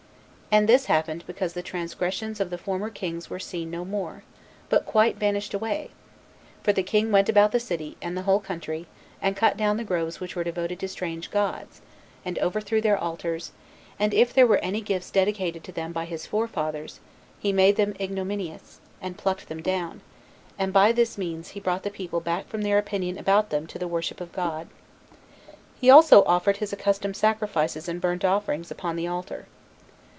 And this happened because the transgressions of the former kings were seen no more, but quite vanished away; for the king went about the city, and the whole country, and cut down the groves which were devoted to strange gods, and overthrew their altars; and if there were any gifts dedicated to them by his forefathers, he made them ignominious, and plucked them down; and by this means he brought the people back from their opinion about them to the worship of God. He also offered his accustomed sacrifices and burnt offerings upon the altar.